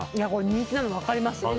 人気なの分かります。